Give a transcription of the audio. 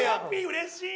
うれしい！